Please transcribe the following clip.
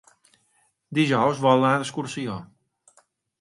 Dijous vol anar d'excursió.